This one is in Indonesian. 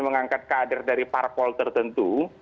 mengangkat kader dari parpol tertentu